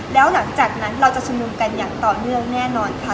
แล้วหลังจากนั้นเราจะชุมนุมกันอย่างต่อเนื่องแน่นอนค่ะ